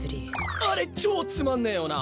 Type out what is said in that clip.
あれ超つまんねぇよな。